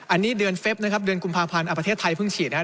อันนี้เดือนเฟฟนะครับเดือนกุมภาพันธ์ประเทศไทยเพิ่งฉีดนะครับ